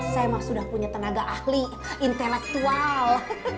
saya mah sudah punya tenaga ahli intelektual